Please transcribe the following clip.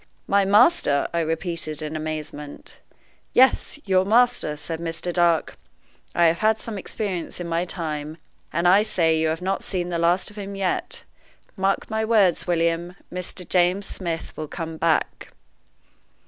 "My master!" I repeated, in amazement. "Yes, your master!" says Mr. Dark. "I have had some experience in my time, and I say you have not seen the last of him yet. Mark my words, William, Mr. James Smith will come back."